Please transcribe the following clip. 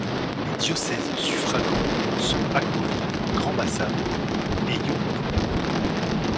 Les diocèses suffragants sont Agboville, Grand-Bassam et Yopougon.